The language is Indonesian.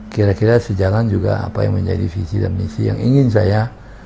kira kira sejalan juga apa yang menjadi visi dan misi yang ingin saya